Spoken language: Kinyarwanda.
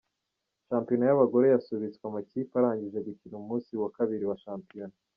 Shampiyona y’abagore, yasubitswe amakipe arangije gukina umunsi wa kabiri wa shampiyona.